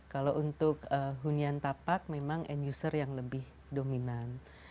kalau untuk hunian tapak memang end user yang lebih dominan